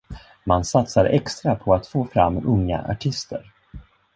Man satsar extra på att få fram unga artister.